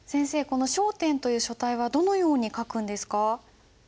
この小篆という書体はどのように書くんですか？